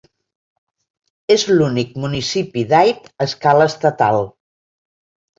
És l'únic municipi d'Aid a escala estatal.